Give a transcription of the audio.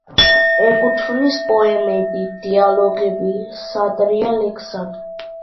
ეკუთვნის პოემები, დიალოგები, სატირა ლექსად.